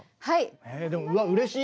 でもうわうれしい！